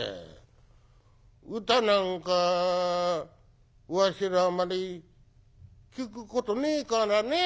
歌なんかわしらあまり聴くことねえからね」。